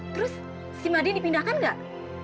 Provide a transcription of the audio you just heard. terus si madia dipindahkan nggak